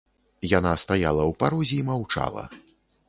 Яна стаяла ў парозе і маўчала.